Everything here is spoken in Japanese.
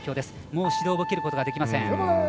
もう指導を受けることはできません。